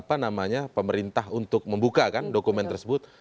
dan kemudian meminta pemerintah untuk membuka dokumen tersebut